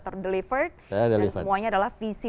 ter deliver dan semuanya adalah visi